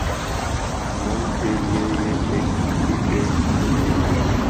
ملک کیلئے یہ ایک اچھی پیش قدمی ہے۔